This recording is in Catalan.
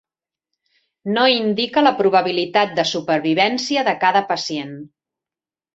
No indica la probabilitat de supervivència de cada pacient.